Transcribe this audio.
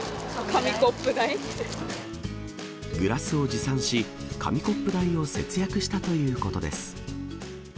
え、グラスを持参し、紙コップ代を節約したということです。